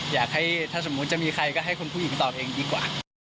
อยากให้ถ้าสมมุติจะมีใครก็ให้คุณผู้หญิงตอบเองดีกว่า